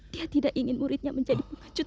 dia tidak ingin muridnya menjadi pengecut